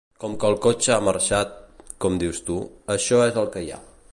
Com que el cotxe ha marxat, com dius tu, això és el que hi ha.